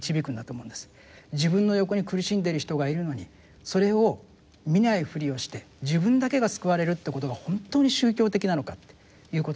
自分の横に苦しんでいる人がいるのにそれを見ないふりをして自分だけが救われるということが本当に宗教的なのかっていうことですよね。